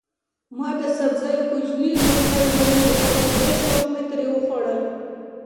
ما د سبزیو کوچنی لوښی ونیو او په ډېر شوق مې ترې وخوړل.